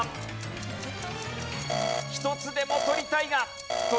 １つでも取りたいが。